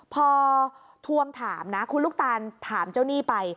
พอทวงถามนะคุณลูกตานถามเจ้าหนี้ไป